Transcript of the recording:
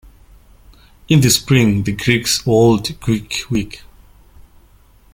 In the Spring, the Greeks hold "Greek Week".